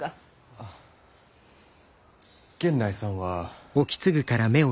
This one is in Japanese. あ源内さんは。